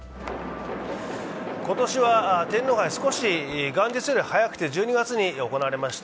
今年は天皇杯、少し早くて元日より早く１２月に行われました。